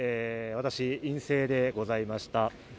私、陰性でございました。